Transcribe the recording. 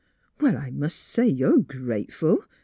Well, I mus' say you're grateful!